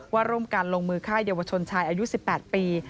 ร่วมกันลงมือฆ่าเยาวชนชายอายุ๑๘ปี